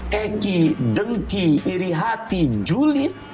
keci dengki iri hati julid